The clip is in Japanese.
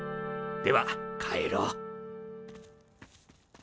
では帰ろう。